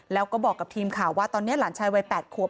แล้วก็บอกกับทีมข่าวว่าตอนนี้หลานชายวัย๘ขวบ